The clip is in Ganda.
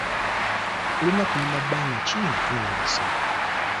Olina kulinda bbanga ki nga tonnawasa?